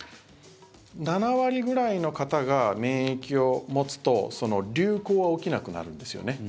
７割ぐらいの方が免疫を持つと流行は起きなくなるんですよね。